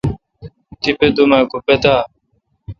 تیپہ دوم اؘ کو پتا۔